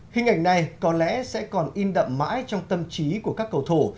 hình ảnh này có lẽ sẽ còn in đậm mãi trong tâm trí của các cầu thủ